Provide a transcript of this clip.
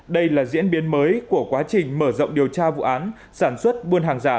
đây là diễn biến mới của quá trình mở rộng điều tra vụ án sản xuất buôn hàng giả